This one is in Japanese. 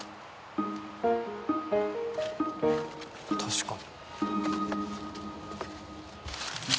確かに。